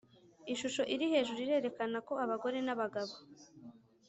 Ishusho iri hejuru irerekana ko abagore n abagabo